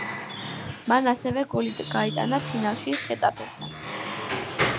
მან ასევე გოლი გაიტანა ფინალში ხეტაფესთან.